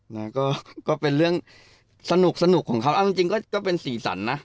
แล้วก็ก็เป็นเรื่องสนุกสนุกของเขาเอาจริงจริงก็ก็เป็นสี่สันนะ